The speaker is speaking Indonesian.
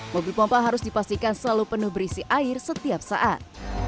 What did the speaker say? mobil pompa harus dipastikan selalu penuh berisi air setiap saat